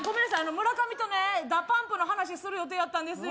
村上とねＤＡＰＵＭＰの話する予定やったんですよ